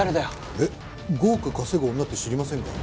えっ５億稼ぐ女って知りませんか？